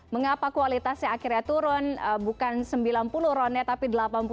mengapa kualitasnya akhirnya turun bukan sembilan puluh ronnya tapi delapan puluh